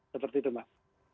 seperti itu pak